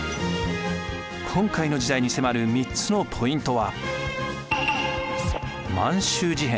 今回の時代に迫る３つのポイントは。